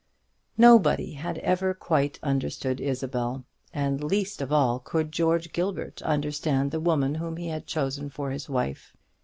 Nobody had ever quite understood Isabel; and least of all could George Gilbert understand the woman whom he had chosen for his wife.